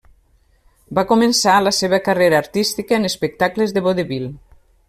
Va començar la seva carrera artística en espectacles de vodevil.